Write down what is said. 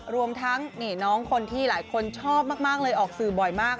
รวมทั้งน้องคนที่หลายคนชอบมากเลยออกสื่อบ่อยมาก